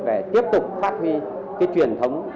và tiếp tục phát huy cái truyền thống